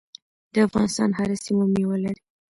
د افغانستان هره سیمه میوه لري.